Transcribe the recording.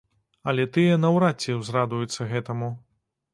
Але тыя наўрад ці ўзрадуюцца гэтаму.